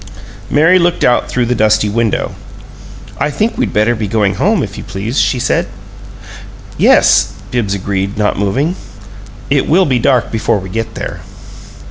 Mary looked out through the dusty window. "I think we'd better be going home, if you please," she said. "Yes," Bibbs agreed, not moving. "It will be dark before we get there."